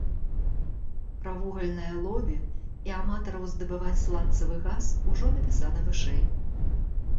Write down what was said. Пра вугальнае лобі і аматараў здабываць сланцавы газ ужо напісана вышэй.